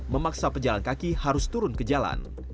memaksa pejalan kaki harus turun ke jalan